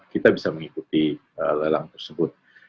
kita bisa mengikuti lelang tersebut